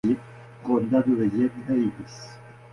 Condado de Jeff Davis